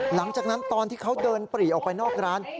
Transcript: หลังจากนั้นตอนที่เขาเดินปรีออกไปนอกร้าน